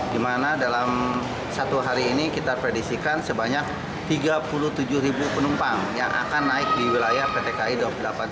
di mana dalam satu hari ini kita predisikan sebanyak tiga puluh tujuh penumpang yang akan naik di wilayah pt kai dua puluh delapan